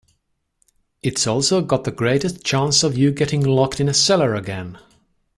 It's also got the greatest chance of you getting locked in a cellar again.